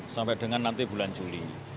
sampai dengan nanti bulan juli